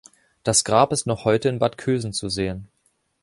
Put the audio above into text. Das Grab ist noch heute in Bad Kösen zu sehen.